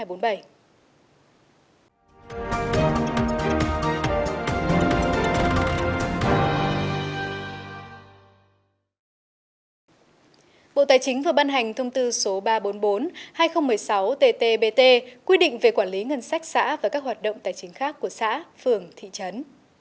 bộ tài chính vừa ban hành thông tư số ba trăm bốn mươi bốn hai nghìn một mươi sáu ttbt quy định về quản lý ngân sách xã và các hoạt động tài chính khác của xã phường thị trấn